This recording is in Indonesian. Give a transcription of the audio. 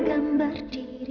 kamu mau lihat